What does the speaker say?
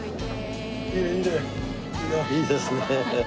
いいですね。